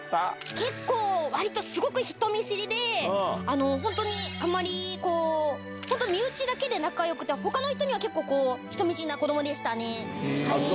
結構、わりとすごく人見知りで、本当にあまりこう、本当、身内だけで仲よくて、ほかの人には結構、人見知りな子どもでしたね。はいー。